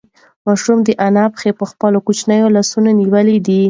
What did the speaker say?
ماشوم د انا پښې په خپلو کوچنیو لاسونو نیولې دي.